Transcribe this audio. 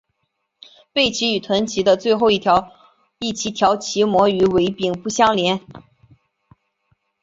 背鳍与臀鳍的最后一鳍条鳍膜与尾柄不相连。